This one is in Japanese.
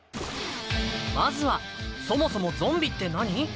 まずはそもそもゾンビって何？